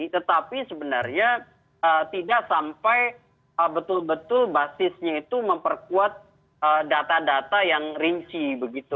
tetapi sebenarnya tidak sampai betul betul basisnya itu memperkuat data data yang rinci begitu